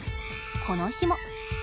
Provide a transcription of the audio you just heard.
この日も。